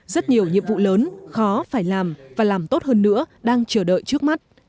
rất nhiều nhiệm vụ lớn khó phải làm và làm tốt hơn nữa đang chờ đợi trước mắt